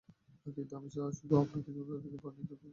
কিন্তু, আমি তো শুধু আপনাকে যন্ত্রণা থেকে পালিয়ে বেড়াতে দেখছি!